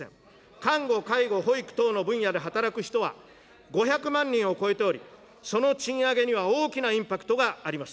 看護、介護、保育等の分野で働く人は５００万人を超えており、その賃上げには大きなインパクトがあります。